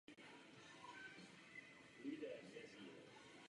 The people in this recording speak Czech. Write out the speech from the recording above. Za kabinou byl i prostor pro menší zavazadla.